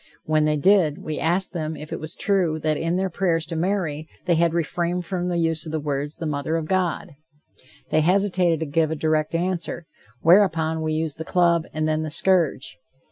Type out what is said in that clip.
When they did, we asked them if it was true that in their prayers to Mary they had refrained from the use of the words, "The mother of God." They hesitated to give a direct answer, whereupon we used the club, and then, the scourge.